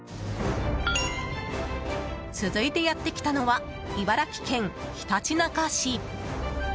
続いてやってきたのは茨城県ひたちなか市。